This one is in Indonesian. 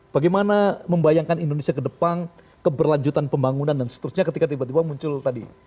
bagaimana membayangkan indonesia ke depan keberlanjutan pembangunan dan seterusnya ketika tiba tiba muncul tadi